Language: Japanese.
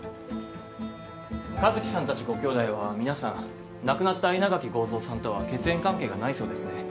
一樹さんたちご兄弟は皆さん亡くなった稲垣剛蔵さんとは血縁関係がないそうですね。